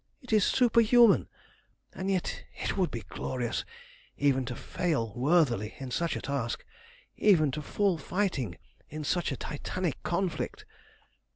It is superhuman! And yet it would be glorious even to fail worthily in such a task, even to fall fighting in such a Titanic conflict!"